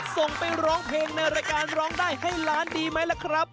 ส่งไปร้องเพลงในรายการร้องได้ให้ล้านดีไหมล่ะครับ